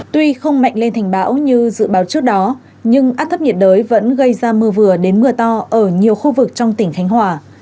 tuy không mạnh lên thành bão như dự báo trước đó nhưng áp thấp nhiệt đới vẫn gây ra mưa vừa đến mưa to ở nhiều khu vực trong tỉnh khánh hòa